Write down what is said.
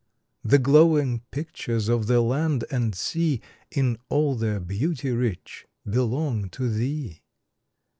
The glowing pictures of the land and sea In all their beauty rich belong to thee.